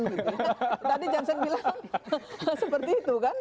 tadi johnson bilang seperti itu kan